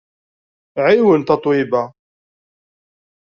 Ɛiwen Tatoeba!